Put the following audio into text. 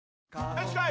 よしこい！